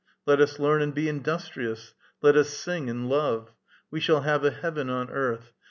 ^^ Let us learn and be industrious; let us sing and love; we shall have a heaven on earth